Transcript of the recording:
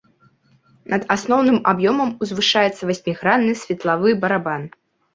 Над асноўным аб'ёмам узвышаецца васьмігранны светлавы барабан.